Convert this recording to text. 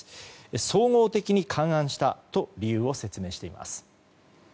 総合的に勘案したと理由を説明しています。